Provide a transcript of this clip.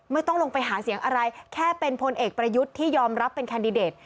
ไม่ต้องลงไปหาเสียงอะไรแค่เป็นพลเอกประยุทธ์ที่ยอมรับเป็นแคนดิเดต